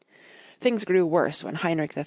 Things grew worse when Heinrich III.